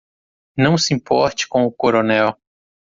Não se importe com o coronel.